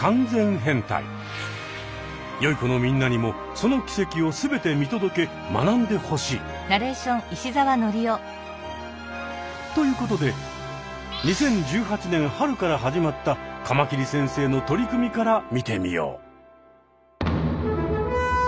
よい子のみんなにもその奇跡を全て見届け学んでほしい。ということで２０１８年春から始まったカマキリ先生の取り組みから見てみよう。